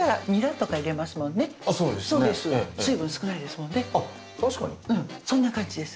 確かにうんそんな感じです